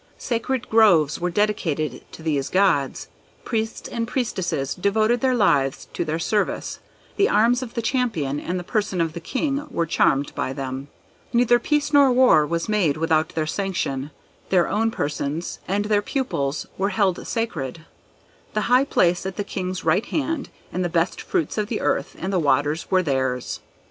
Sacred groves were dedicated to these gods; Priests and Priestesses devoted their lives to their service; the arms of the champion, and the person of the king were charmed by them; neither peace nor war was made without their sanction; their own persons and their pupils were held sacred; the high place at the king's right hand and the best fruits of the earth and the waters were theirs.